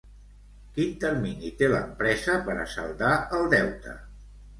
Quin termini té l'empresa per a saldar el deute?